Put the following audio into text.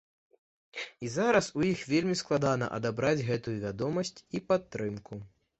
І зараз у іх вельмі складана адабраць гэтую вядомасць і падтрымку.